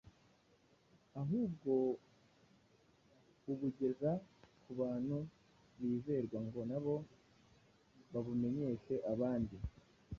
ahubwo abugeza ku bantu bizerwa ngo nabo babumenyeshe abandi.